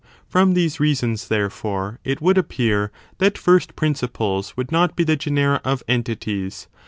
From these reasons, therefore, it would appear that first principles would not be the genera of entities.